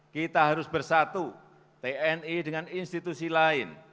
kita harus bersatu tni dengan institusi lain